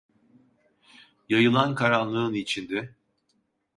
Yayılan karanlığın içinde